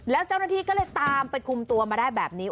แล้วเจ้าหน้าที่ก็เลยตามไปคุมตัวมาได้แบบนี้